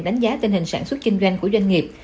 đánh giá tình hình sản xuất kinh doanh của doanh nghiệp